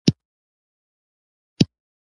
ښوونځی ماشومانو ته د ریښتینولۍ درس ورکوي.